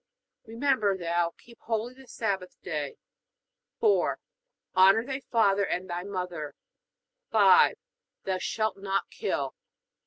Remember thou keep holy the Sabbath day. 4. Honor thy father and thy mother. 5. Thou shalt not kill.